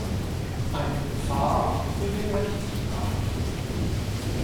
Eine Gefahr für den Rechtsstaat.